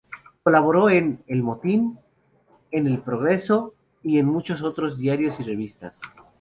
Colaboró en "El Motín", en "El Progreso" y en muchos otros diarios y revistas.